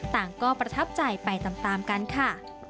ต่างก็ประทับใจไปตามกันค่ะ